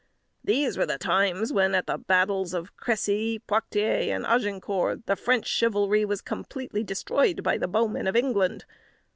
These were the times when, at the battles of Cressy, Poictiers, and Agincourt, the French chivalry was completely destroyed by the bowmen of England.